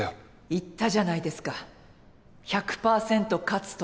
言ったじゃないですか１００％勝つと。